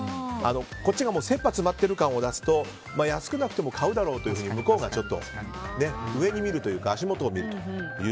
こっちが切羽詰まっている感を出すと安くなくても買うだろうと向こうが上に見るというか、足元を見る。